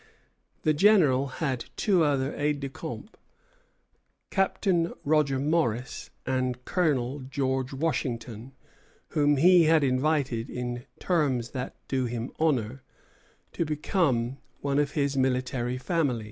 The General had two other aides de camp, Captain Roger Morris and Colonel George Washington, whom he had invited, in terms that do him honor, to become one of his military family.